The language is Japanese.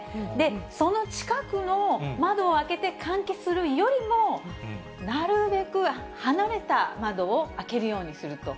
その近くの窓を開けて換気するよりも、なるべく離れた窓を開けるようにすると。